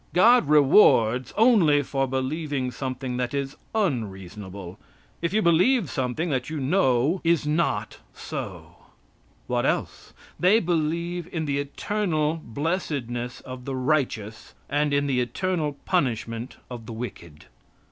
God rewards only for believing something that is unreasonable, if you believe something that you know is not so. What else? They believe in the eternal blessedness of the righteous, and in the eternal punishment of the wicked.